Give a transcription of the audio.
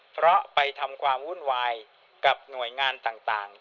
เพราะไปทำความวุ่นวายกับหน่วยงานต่าง